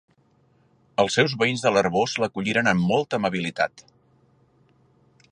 Els seus veïns de l'Arboç l'acolliren amb molta amabilitat.